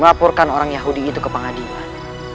laporkan orang yahudi itu ke pengadilan